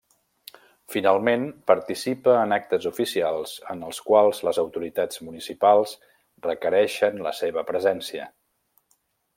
Finalment, participa en actes oficials en els quals les autoritats municipals requereixen la seva presència.